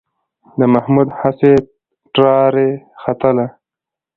د محمود هسې ټراري ختله.